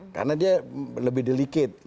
karena dia lebih delicate